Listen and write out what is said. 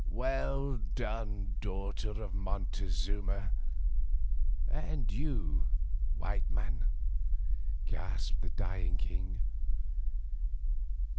"Well done, daughter of Montezuma, and you, white man," gasped the dying king.